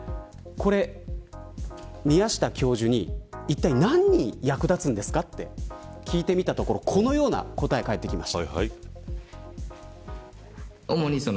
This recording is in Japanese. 宮下教授に何に役立つんですかと聞いてみましたするとこのような答えが返ってきました。